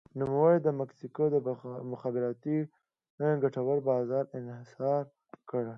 نوموړي د مکسیکو د مخابراتو ګټور بازار انحصار کړ.